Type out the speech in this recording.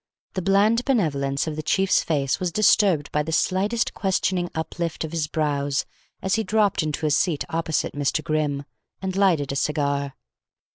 The bland benevolence of the chief's face was disturbed by the slightest questioning uplift of his brows as he dropped into a seat opposite Mr. Grimm, and lighted a cigar.